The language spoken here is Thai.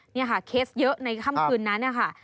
นี่ค่ะเคสเยอะในค่ำคืนนั้นนะคะ